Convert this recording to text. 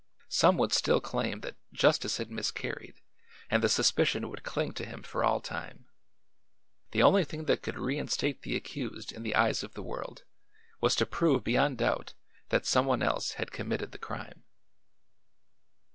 Some would still claim that justice had miscarried and the suspicion would cling to him for all time. The only thing that could reinstate the accused in the eyes of the world was to prove beyond doubt that some one else had committed the crime.